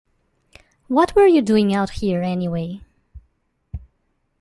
What were you doing out here, anyway?